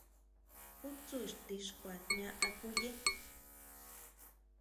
¿Jú tsú ixtixkua jña akuye?